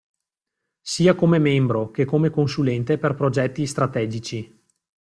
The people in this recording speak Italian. Sia come membro che come consulente per progetti strategici.